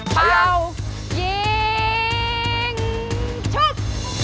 เปล่ายิงชุบ